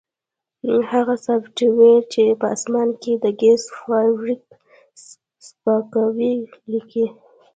هغه سافټویر چې په اسمان کې د ګس فارویک سپکاوی لیکي